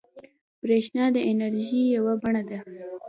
برېښنا د انرژۍ یوه بڼه ده.